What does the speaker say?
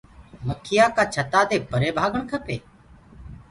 مآکيآ ڪآ ڇتآ دي پري ڀآگڻ کپي؟